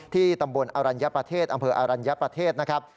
ตำบลอรัญญประเทศอำเภออรัญญประเทศนะครับ